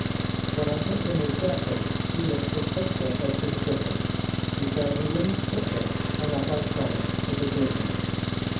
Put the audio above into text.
When I took him his breakfast he looked the picture of contrition. He said he wouldn't touch it unless I promised to forgive him.